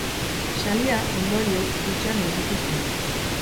Saria, ondorioz, hutsean gelditu zen.